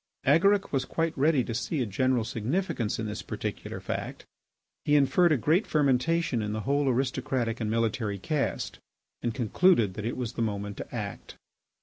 Agaric was quite ready to see a general significance in this particular fact. He inferred a great fermentation in the whole aristocratic and military caste, and concluded that it was the moment to act.